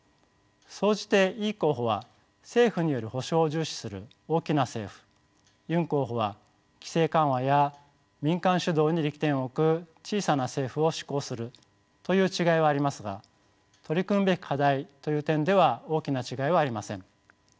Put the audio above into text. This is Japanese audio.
総じてイ候補は政府による保障を重視する大きな政府ユン候補は規制緩和や民間主導に力点を置く小さな政府を志向するという違いはありますが取り組むべき課題という点では大きな違いはありません。